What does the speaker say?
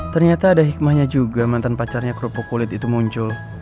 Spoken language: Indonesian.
ternyata ada hikmahnya juga mantan pacarnya kerupuk kulit itu muncul